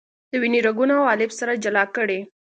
د وینې رګونه او حالب سره جلا کړئ.